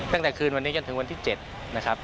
ตั้งแต่คืนวันนี้จนถึงวันที่๗นะครับ